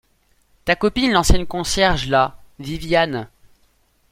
Ta copine l’ancienne concierge, là, Viviane.